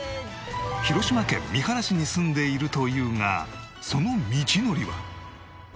広島県三原市に住んでいるというがその道のりは。